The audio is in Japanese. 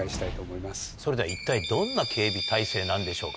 それでは一体どんな警備体制なんでしょうか？